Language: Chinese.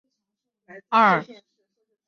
二甲基亚砜是常用的溶剂。